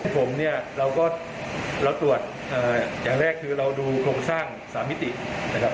ผมเนี่ยเราก็เราตรวจอย่างแรกคือเราดูโครงสร้าง๓มิตินะครับ